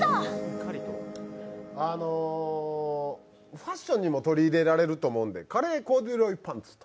ファッションにも取り入れられると思うんで、カレーコーデュロイパンツと。